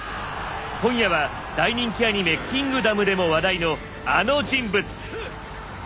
今夜は大人気アニメ「キングダム」でも話題のあの人物！